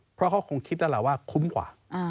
เพราะเขาคงคิดแล้วล่ะว่าคุ้มกว่า